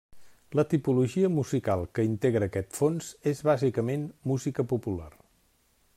La tipologia musical que integra aquest fons és bàsicament música popular.